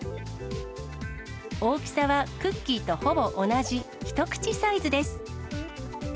大きさはクッキーとほぼ同じ一口サイズです。